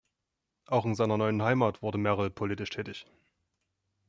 Auch in seiner neuen Heimat wurde Merrill politisch tätig.